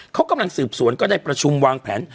เขากำลังสืบสวนก็ได้ประชุมวางแผน